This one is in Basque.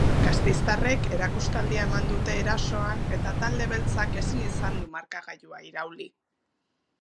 Gasteiztarrek erakustaldia eman dute erasoan eta talde beltzak ezin izan du markagailua irauli.